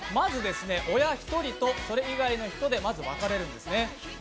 親１人とそれ以外の人で分かれるんですね。